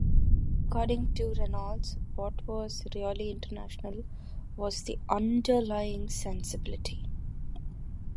According to Reynolds: "What was really international was the "underlying" sensibility.